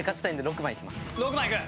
６番いく。